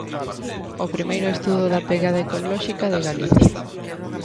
O primeiro estudo da pegada ecolóxica de Galicia.